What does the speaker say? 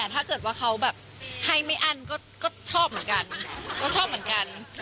แต่ถ้าเกิดว่าเขาแบบไฮไม่อันก็ชอบเหมือนกัน